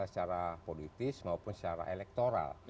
secara politis maupun secara elektoral